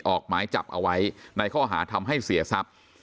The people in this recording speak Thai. ออกหมายจับเอาไว้ในข้อหาทำให้เสียทรัพย์